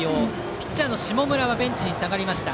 ピッチャーの下村はベンチに下がりました。